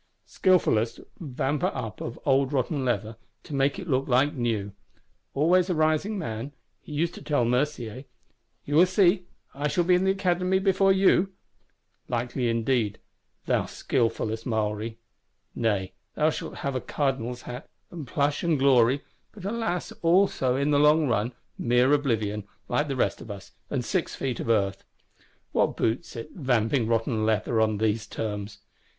Skilfulest vamper up of old rotten leather, to make it look like new; always a rising man; he used to tell Mercier, 'You will see; I shall be in the Academy before you.' Likely indeed, thou skilfullest Maury; nay thou shalt have a Cardinal's Hat, and plush and glory; but alas, also, in the longrun—mere oblivion, like the rest of us; and six feet of earth! What boots it, vamping rotten leather on these terms?